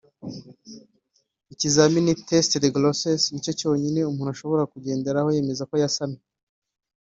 ikizamini (Test de grossesse) nicyo cyonyine umuntu ashobora kugenderaho yemeza ko yasamye